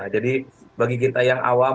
jadi bagi kita yang awam